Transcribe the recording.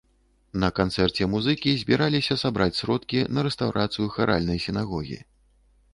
На канцэрце музыкі збіраліся сабраць сродкі на рэстаўрацыю харальнай сінагогі.